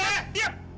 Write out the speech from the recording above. eh eh eh diam